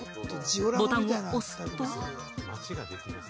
ボタンを押すと。